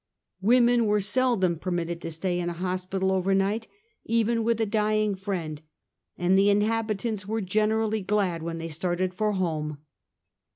Women were seldom permitted to stay in a hospital over night, even with a dying friend, and the inhabi tants were generally glad when they started for home.